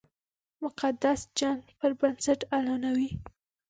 د مقدس جنګ پر بنسټ اعلانوي.